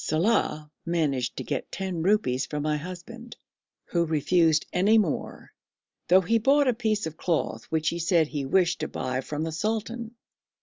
Saleh managed to get ten rupees from my husband, who refused any more, though he brought a piece of cloth which he said he wished to buy from the sultan.